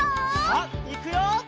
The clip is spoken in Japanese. さあいくよ！